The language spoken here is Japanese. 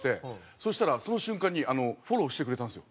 そしたらその瞬間にフォローしてくれたんですよ。